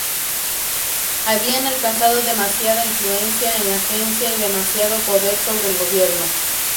Habían alcanzado demasiada influencia en la Agencia y demasiado poder sobre el Gobierno.